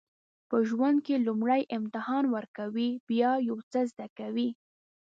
په ژوند کې لومړی امتحان ورکوئ بیا یو څه زده کوئ.